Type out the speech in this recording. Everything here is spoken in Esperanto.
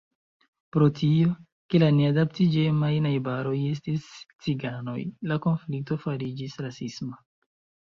Pro tio, ke la neadaptiĝemaj najbaroj estis ciganoj, la konflikto fariĝis rasisma.